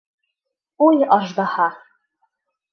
Уй, аждаһа!